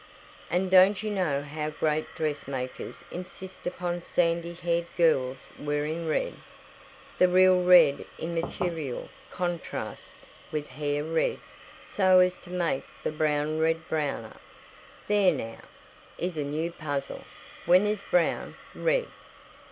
And don't you know how great dressmakers insist upon sandy haired girls wearing red? The real red in material contrasts with hair red, so as to make the brown red browner. There now, is a new puzzle. When is brown red?"